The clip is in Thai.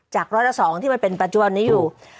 จากร้อยละ๒ที่มันเป็นประจวนนี้อยู่